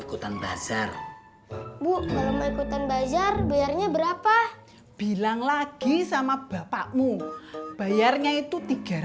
ikutan bazar buk balama ikutan bazar bayarnya berapa bilang lagi sama bapakmu bayarnya itu